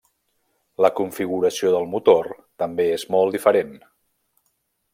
La configuració del motor també és molt diferent.